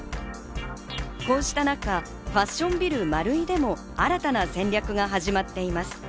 こうした中、ファッションビル、マルイでも新たな戦略が始まっています。